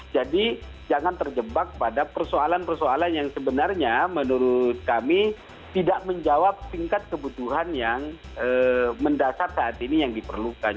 jadi jangan terjebak pada persoalan persoalan yang sebenarnya menurut kami tidak menjawab tingkat kebutuhan yang mendasar saat ini yang diperlukan